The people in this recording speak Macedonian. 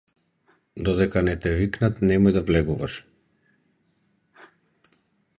Додека не те викнат немој да влегуваш.